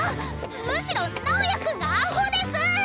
むしろ直也君がアホです！